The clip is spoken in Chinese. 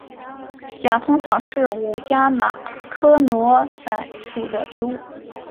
假通草是五加科罗伞属的植物。